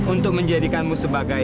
untuk menjadikanmu sebagai